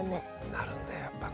なるんだよやっぱね。